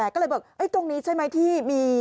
ก็เลยบอกตรงนี้ใช่ไหมที่มี